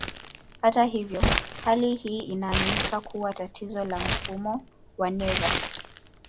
Hata hivyo, hali hii inaaminika kuwa tatizo la mfumo wa neva.